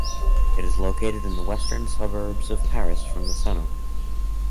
It is located in the western suburbs of Paris from the center.